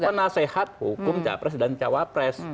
kapasitas pak yusuf itu penasehat hukum capres dan cawapres